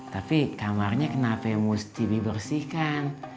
tapi kamarnya kenapa ya mesti dibersihkan